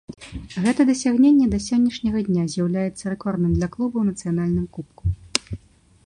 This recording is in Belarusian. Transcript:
Гэта дасягненне да сённяшняга дня з'яўляецца рэкордным для клуба ў нацыянальным кубку.